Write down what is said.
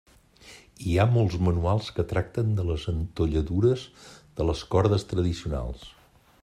Hi ha molts manuals que tracten de les entolladures de les cordes tradicionals.